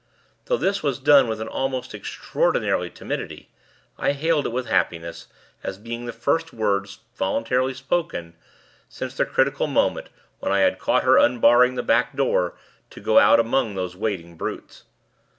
Though this was done with an almost extraordinary timidity, I hailed it with happiness, as being the first word, voluntarily spoken, since the critical moment, when I had caught her unbarring the back door, to go out among those waiting brutes.